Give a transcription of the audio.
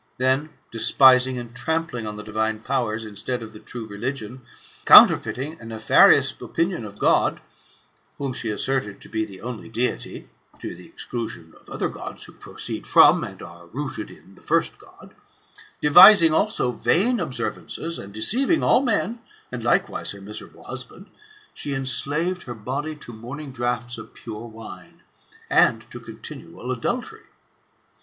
Then despising and trampling on the divine powers, instead of the true religion, counterfeiting^ a nefarious opinion of God, whom she asserted to be the only deity [to the exclusion of other Gods who proceed from, and are rooted in the first God,] devising also vain observances, and deceiving all men, and likewise her miserable husband, she enslaved her body to morning draughts of pure wine, and to continual adultery.